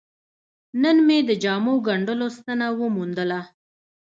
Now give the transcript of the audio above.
نن مې د جامو ګنډلو ستنه وموندله.